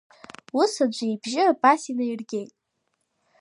Ус аӡәы ибжьы абас инаиргеит.